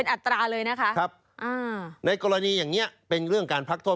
อัตราเลยนะคะครับอ่าในกรณีอย่างนี้เป็นเรื่องการพักโทษ